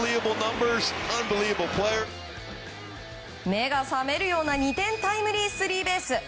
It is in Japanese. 目が覚めるような２点タイムリースリーベース。